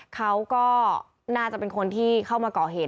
เขาก็น่าจะเป็นคนที่เข้ามาก่อเหตุ